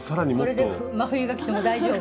これで真冬が来ても大丈夫。